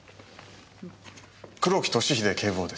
黒木俊英警部補です。